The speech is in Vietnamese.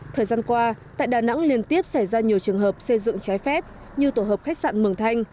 thời gian qua tại đà nẵng liên tiếp xảy ra nhiều trường hợp xây dựng trái phép như tổ hợp khách sạn mường thanh